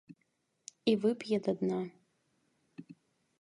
І вып'е да дна.